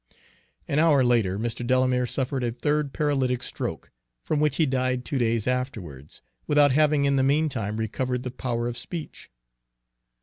An hour later Mr. Delamere suffered a third paralytic stroke, from which he died two days afterwards, without having in the meantime recovered the power of speech.